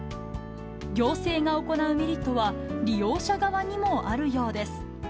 行政が行うメリットは、利用者側にもあるようです。